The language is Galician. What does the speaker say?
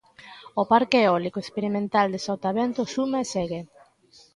O parque eólico experimental de Sotavento suma e segue.